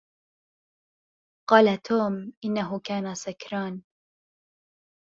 قال توم: إنه كان سكران